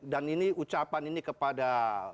dan ini ucapan ini kepada